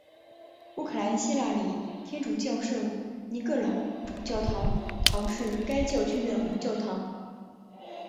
乌克兰希腊礼天主教圣尼各老主教座堂是该教区的母教堂。